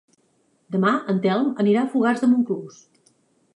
Demà en Telm anirà a Fogars de Montclús.